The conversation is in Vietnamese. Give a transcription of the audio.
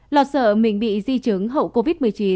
lo sợ mình bị di chứng hậu covid một mươi chín